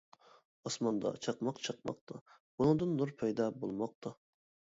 ئاسماندا چاقماق چاقماقتا، بۇنىڭدىن نۇر پەيدا بولماقتا.